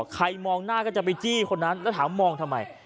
มองหน้าก็จะไปจี้คนนั้นแล้วถามมองทำไม